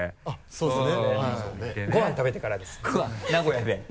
そうですね。